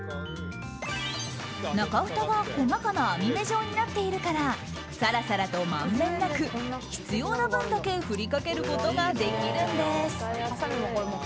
中ふたが細かな網目状になっているからサラサラとまんべんなく必要な分だけ振りかけることができるんです。